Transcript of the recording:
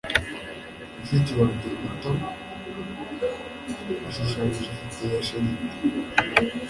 Mushiki wanjye muto yashushanyije ifoto ya shelegi.